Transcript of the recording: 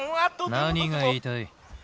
何が言いたい？